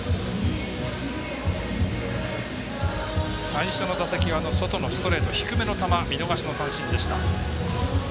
最初の打席は外のストレート低めの球、見逃し三振でした。